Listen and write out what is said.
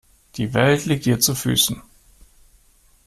Die Welt liegt dir zu Füßen.